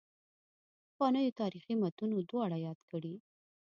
پخوانیو تاریخي متونو دواړه یاد کړي.